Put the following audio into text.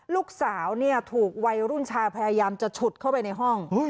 ลูกสาวเนี่ยถูกวัยรุ่นชายพยายามจะฉุดเข้าไปในห้อง